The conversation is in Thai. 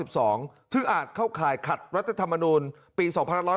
ซึ่งอาจเข้าข่ายขัดรัฐธรรมนูลปี๒๕๖๒